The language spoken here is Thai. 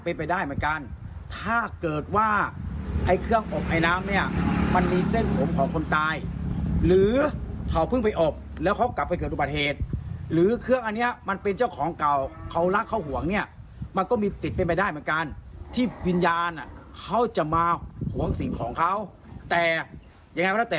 หวังสิงห์ของเขาแต่แย้งไงพระเจน